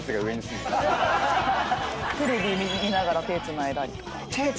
テレビ見ながら手つないだりとか。